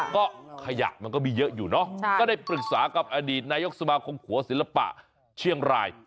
ก็ขยะมันก็มีเยอะอยู่เนอะก็ได้ปรึกษากับอดีตนายกสมาคมขัวศิลปะเชียงราย